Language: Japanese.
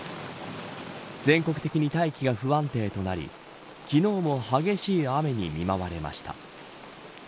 全国的に大気が不安定となり昨日も激しい雨に見舞われました。